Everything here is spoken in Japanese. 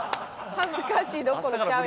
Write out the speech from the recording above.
恥ずかしいどころちゃうやん。